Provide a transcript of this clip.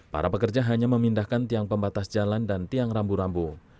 para pekerja hanya memindahkan tiang pembatas jalan dan tiang rambu rambu